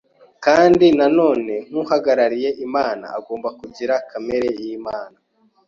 kandi na none nk’uhagarariye Imana, agomba kugira kamere y’Imana,